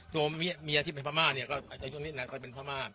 ตัวเมียที่เป็นพระม่าเนี่ยก็จะยุ่งนิดหน่อยก็จะเป็นพระม่า